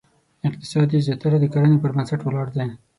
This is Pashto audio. اقتصاد یې زیاتره د کرنې پر بنسټ ولاړ دی.